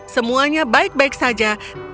semuanya baik baik saja